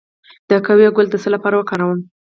د قهوې ګل د څه لپاره وکاروم؟